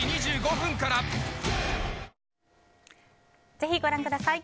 ぜひ、ご覧ください。